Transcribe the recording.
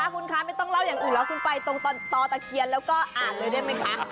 คุณคะไม่ต้องเล่าอย่างอื่นแล้วคุณไปตรงต่อตะเคียนแล้วก็อ่านเลยได้ไหมคะ